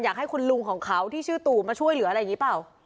อยากให้คุณลุงของเขาที่ชื่อตู่มาช่วยเหลืออะไรอย่างนี้เปล่า